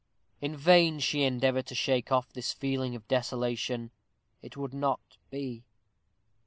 In vain she endeavored to shake off this feeling of desolation. It would not be.